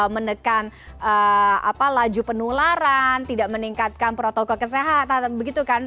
menekan laju penularan tidak meningkatkan protokol kesehatan begitu kan